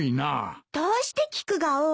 どうして菊が多いの？